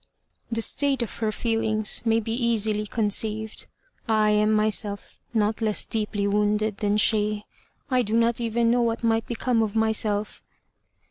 "The state of her feelings may be easily conceived. I am myself not less deeply wounded than she. I do not even know what might become of myself."